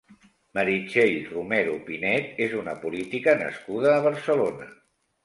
Meritxell Romero Pinet és una política nascuda a Barcelona.